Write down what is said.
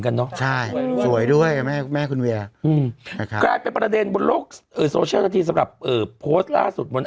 นี่ค่ะครับ